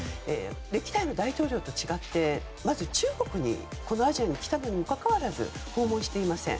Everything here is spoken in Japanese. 歴代の大統領と違ってまず、中国にアジアに来たにもかかわらず訪問していません。